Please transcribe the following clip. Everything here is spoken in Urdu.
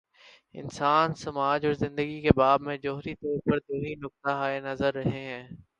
انسان، سماج اور زندگی کے باب میں، جوہری طور پر دو ہی نقطہ ہائے نظر رہے ہیں۔